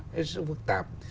hết sức phức tạp